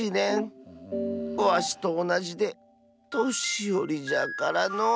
わしとおなじでとしよりじゃからのう。